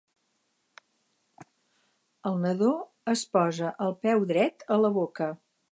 El nadó es posa el peu dret a la boca.